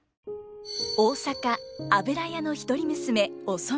大坂油屋の一人娘お染。